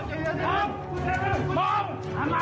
พออย่างง่ายเร็ว